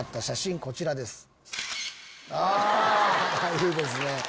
いいですね。